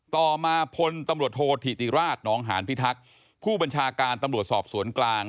ต่อมาพลตำรวจโทษธิติราชนองหานพิทักษ์ผู้บัญชาการตำรวจสอบสวนกลาง